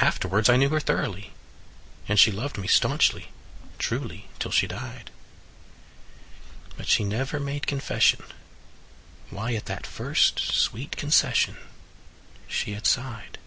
Afterwards I knew her throughly, And she loved me staunchly, truly, Till she died; But she never made confession Why, at that first sweet concession, She had sighed.